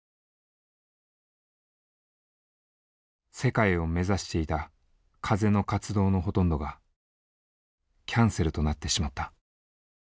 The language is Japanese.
世界を目指していた風の活動のほとんどがキャンセルとなってしまった。